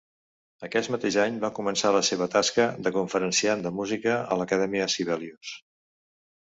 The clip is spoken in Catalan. Aquest mateix any va començar la seva tasca de conferenciant de música a l'Acadèmia Sibelius.